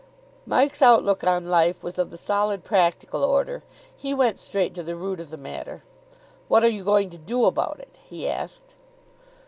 Mike's outlook on life was of the solid, practical order. He went straight to the root of the matter. "What are you going to do about it?" he asked.